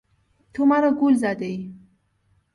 تو مرا گول زدهای!